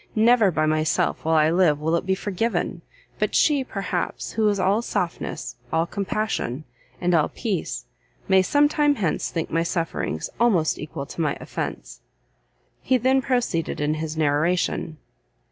never by myself while I live will it be forgiven, but she, perhaps, who is all softness, all compassion, and all peace, may some time hence think my sufferings almost equal to my offence." He then proceeded in his narration.